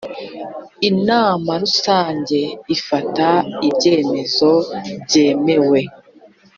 inama rusange ifata ibyemezo byemewe